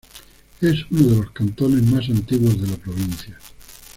Es uno de los cantones más antiguos de la provincia.